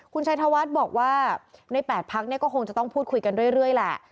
คุณชัยธวัฒน์บอกว่าใน๘พักเนี่ยก็คงจะต้องพูดคุยกันเรื่อยแหละ